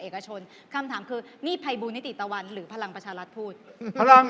ขับถามความจริง